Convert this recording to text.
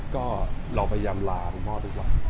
ก็เราพยายามลาคุณพ่อทุกวัน